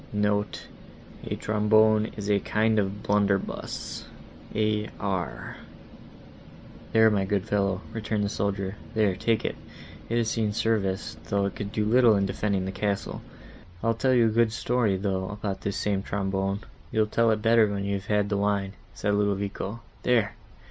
(*Note: A kind of blunderbuss. [A. R.]) "There, my good fellow," returned the soldier, "there, take it—it has seen service, though it could do little in defending the castle. I'll tell you a good story, though, about this same trombone." "You'll tell it better when you have had the wine," said Ludovico. "There!